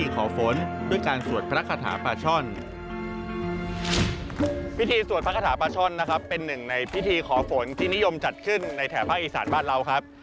ก็อยู่ในสถานบ้านเราครับ